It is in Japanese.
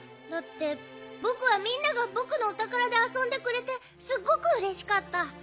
だってぼくはみんながぼくのおたからであそんでくれてすっごくうれしかった。